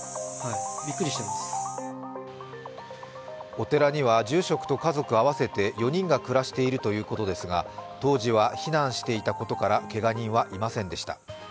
お寺には住職と家族合わせて４人が暮らしているということですが当時は避難していたことからけが人はいませんでした。